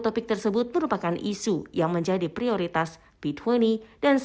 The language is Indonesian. kedua topik tersebut merupakan isu yang menjadi prioritas p dua puluh dan c dua puluh